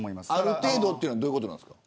ある程度というのはどういうことですか。